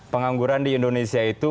pengangguran di indonesia itu